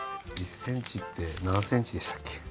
１ｃｍって何ｃｍでしたっけ？